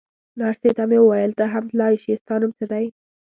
نرسې ته مې وویل: ته هم تلای شې، ستا نوم څه دی؟